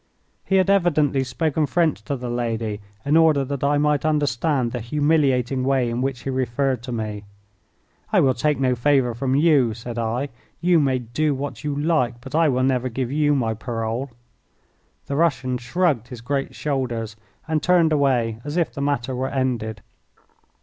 He had evidently spoken French to the lady in order that I might understand the humiliating way in which he referred to me. "I will take no favour from you," said I. "You may do what you like, but I will never give you my parole." The Russian shrugged his great shoulders, and turned away as if the matter were ended.